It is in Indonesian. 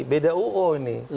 beda uu ini